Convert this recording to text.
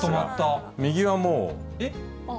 右はもう。